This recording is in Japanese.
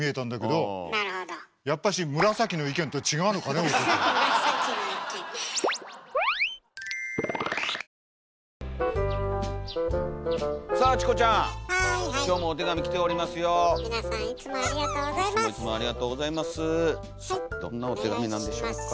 どんなお手紙なんでしょうか。